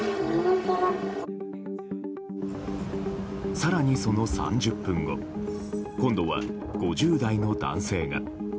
更に、その３０分後今度は５０代の男性が。